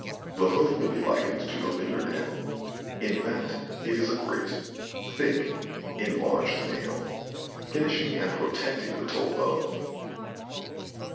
The hoof may be likened to the finger nail. In fact, it is a great, thick, enlarged nail, finishing and protecting the toe above.